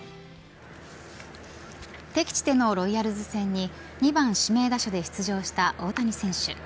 敵地でのロイヤルズ戦に２番指名打者で出場した大谷選手。